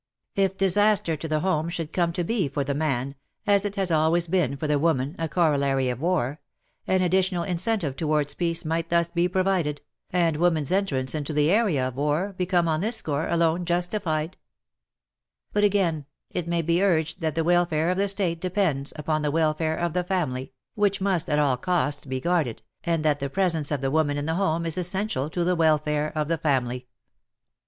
If disaster to the home should come to be for the man, as it has always been for the woman, a corollary of war — an additional in centive towards peace might thus be provided, and women's entrance into the area of war become on this score alone justified "^ But again, it may be urged that the welfare of the state depends upon the welfare of the family, which must at all costs be guarded, and that the presence of the woman in the home is essential to the welfare of the family.